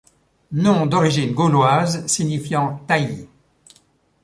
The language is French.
Nom d'origine gauloise, signifiant taillis.